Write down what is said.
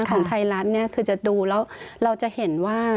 ของไทยรัฐเนี่ยคือจะดูแล้วเราจะเห็นว่า